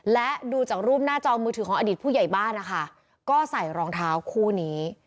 และดูจากรูปหน้าจอมือถือของอดีตผู้ใหญ่บ้านนะคะก็ใส่รองเท้าคู่นี้